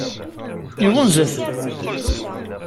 Iɣunza-ten?